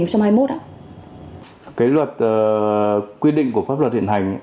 cái luật quy định của pháp luật hiện hành